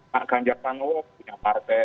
pak ganjabang oh punya partai